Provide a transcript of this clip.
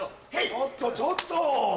・ちょっとちょっと！